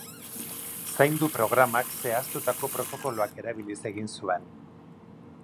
Zaindu programak zehaztutako protokoloak erabiliz egin zuen.